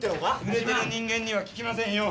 売れてる人間には聞きませんよ